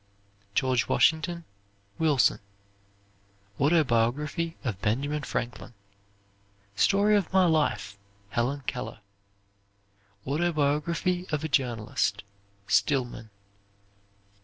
"George Washington," Wilson. Autobiography of Benjamin Franklin. "Story of My Life," Helen Keller. "Autobiography of a Journalist," Stillman.